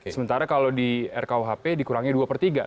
sementara kalau di rkuhp dikurangi dua per tiga